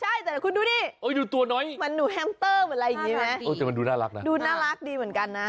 ใช่แต่คุณดูนี่มันหนูแฮมเตอร์เหมือนไรอย่างนี้ไหมดูน่ารักดีเหมือนกันนะ